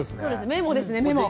メモですねメモ。